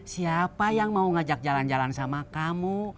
siapa yang mau ngajak jalan jalan sama kamu